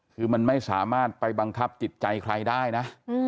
คือมันไม่สามารถไปบังคับจิตใจใครได้นะ